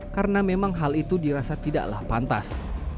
karena memang hal itu dirasa tidaklah pantas